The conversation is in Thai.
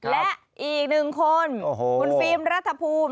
และอีกหนึ่งคนคุณฟิล์มรัฐภูมิ